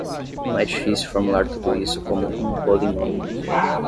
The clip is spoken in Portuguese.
Não é difícil formular tudo isso como um polinômio.